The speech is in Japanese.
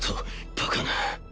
バカな